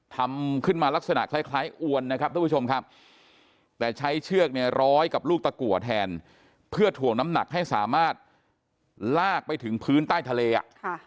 ทำขึ้นมาลักษณะคล้ายอวนนะครับทุกผู้ชมครับแต่ใช้เชือกเนี่ยร้อยกับลูกตะกัวแทนเพื่อถ่วงน้ำหนักให้สามารถลากไปถึงพื้นใต้ทะเลอ่ะ